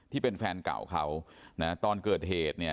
ที่เป็นแฟนก่าวเขานะฮะตอนเกิดเหตุ